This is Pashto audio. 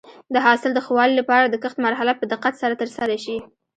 د حاصل د ښه والي لپاره د کښت مرحله په دقت سره ترسره شي.